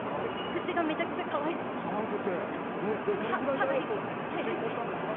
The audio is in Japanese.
口がめちゃくちゃかわいてます。